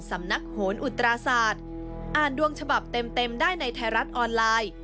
สำนักโหนอุตราศาสตร์อ่านดวงฉบับเต็มเต็มได้ในไทยรัฐออนไลน์